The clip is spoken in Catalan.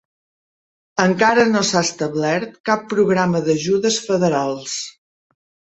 Encara no s'ha establert cap programa d'ajudes federals.